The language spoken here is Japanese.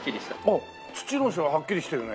あっ父の背ははっきりしてるね。